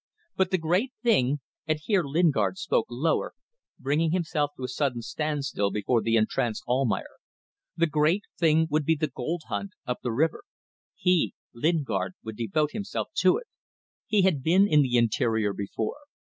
But the great thing and here Lingard spoke lower, bringing himself to a sudden standstill before the entranced Almayer the great thing would be the gold hunt up the river. He Lingard would devote himself to it. He had been in the interior before.